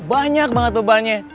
banyak banget bebannya